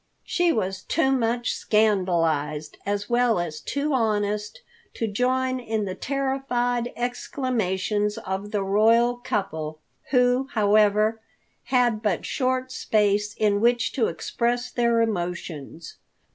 She was too much scandalized, as well as too honest, to join in the terrified exclamations of the royal couple, who, however, had but short space in which to express their emotions.